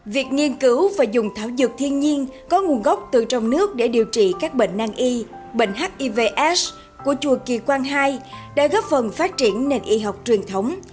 việc nghiên cứu và dùng thảo dược thiên nhiên có nguồn gốc từ trong nước để điều trị các bệnh năng y bệnh hivs của chùa kỳ quang hai đã góp phần phát triển nền y học truyền thống